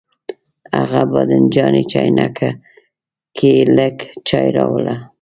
هغه بانجاني چاینکه کې لږ چای راوړه.